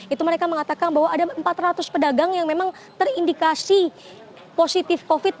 itu mereka mengatakan bahwa ada empat ratus pedagang yang memang terindikasi positif covid sembilan belas